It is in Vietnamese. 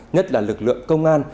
nhất là lực lượng công an